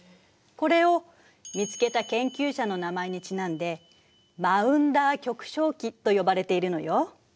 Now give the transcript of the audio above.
これを見つけた研究者の名前にちなんでマウンダー極小期と呼ばれているのよ。